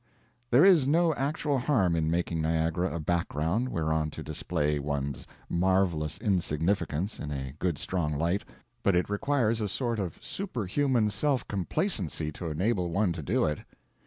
There is no actual harm in making Niagara a background whereon to display one's marvelous insignificance in a good strong light, but it requires a sort of superhuman self complacency to enable one to do it.